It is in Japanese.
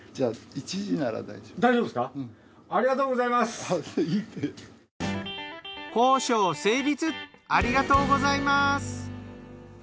ありがとうございます。